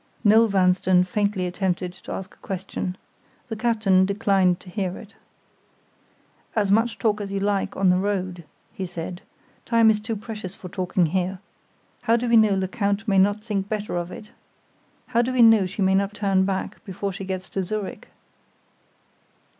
Noel Vanstone faintly attempted to ask a question. The captain declined to hear it. "As much talk as you like on the road," he said. "Time is too precious for talking here. How do we know Lecount may not think better of it? How do we know she may not turn back before she gets to Zurich?"